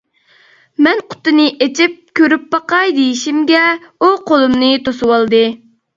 مەن قۇتىنى ئېچىپ كۆرۈپ باقاي دېيىشىمگە، ئۇ قولۇمنى توسۇۋالدى.